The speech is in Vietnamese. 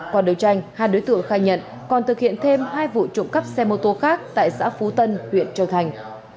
qua đấu tranh hai đối tượng khai nhận còn thực hiện thêm hai vụ trộm cắp xe mô tô khác tại xã phú tân huyện châu thành